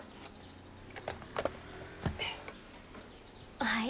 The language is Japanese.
おはよう。